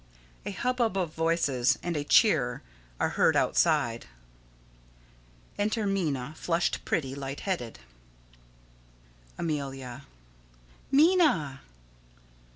[A hubbub of voices and a cheer are heard outside side. Enter Minna, flushed, pretty, light headed.] Amelia: Minna!